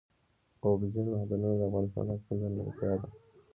اوبزین معدنونه د افغانستان د اقلیم ځانګړتیا ده.